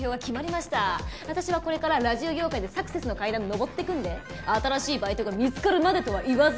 私はこれからラジオ業界でサクセスの階段上ってくんで新しいバイトが見つかるまでとは言わず。